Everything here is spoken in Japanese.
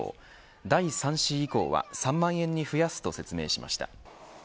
第３子以降は３万円に増やすと説明しました。